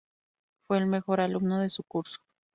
Fue el mejor alumno de su curso.